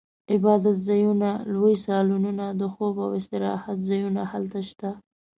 عبادتځایونه، لوی سالونونه، د خوب او استراحت ځایونه هلته شته.